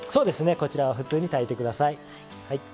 こちらは普通に炊いて下さい。